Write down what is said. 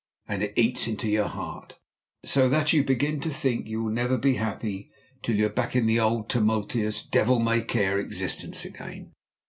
And it eats into your heart, so that you begin to think you will never be happy till you're back in the old tumultuous devil may care existence again."